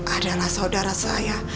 adalah saudara saya